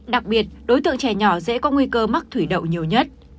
đặc biệt đối tượng trẻ nhỏ dễ có nguy cơ mắc thủy đậu nhiều nhất